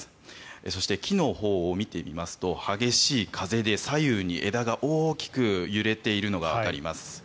そして木のほうを見てみますと激しい風で左右に枝が大きく揺れているのがわかります。